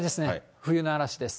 冬の嵐です。